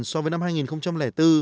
so với năm hai nghìn bốn